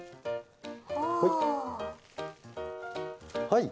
はい。